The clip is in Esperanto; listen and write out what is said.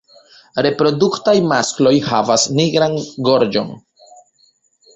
Reproduktaj maskloj havas nigran gorĝon.